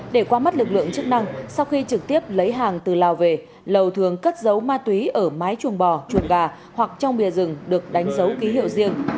để qua mắt lực lượng chức năng sau khi trực tiếp lấy hàng từ lào về lầu thường cất giấu ma túy ở mái chuồng bò chuột gà hoặc trong bìa rừng được đánh dấu ký hiệu riêng